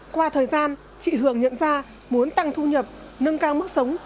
qua thời gian chị hường nhận ra muốn tăng thu nhập nâng cao mức sống